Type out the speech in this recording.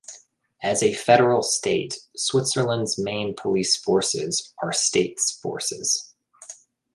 As a federal State, Switzerland's main police forces are states forces.